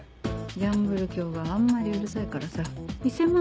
ギャンブル狂があんまりうるさいからさ１０００万